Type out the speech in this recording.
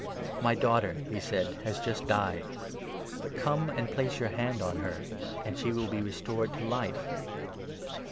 „ My daughter," he said, "has just died ; but come and place your hand on her, and she will be restored to life."